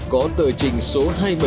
có tờ trình số hai mươi bốn